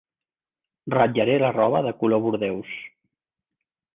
Ratllaré la roba de color bordeus.